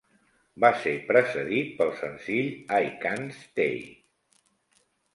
Va ser precedit pel senzill "I Can't Stay".